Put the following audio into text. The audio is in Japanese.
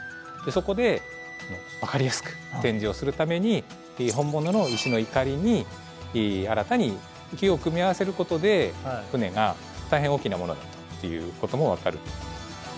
そこで分かりやすく展示をするために本物の石の碇に新たに木を組み合わせることで船が大変大きなものだっていうことも分かる。